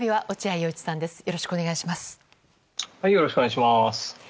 よろしくお願いします。